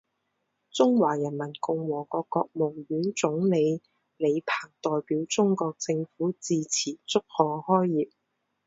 中华人民共和国国务院总理李鹏代表中国政府致词祝贺开业。